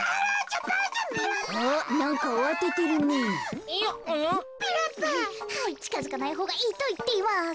ちかづかないほうがいいといっています。